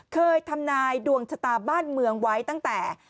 เคยทำนายดวงชะตาบ้านเมืองไว้ตั้งแต่